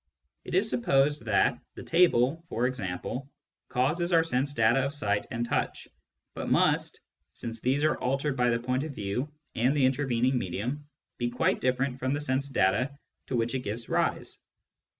It is supposed that the table (for example) causes our sense data of sight and touch, but must, since these are altered by the point of view and the intervening medium, be quite diffisrent from the sense data to which it gives rise.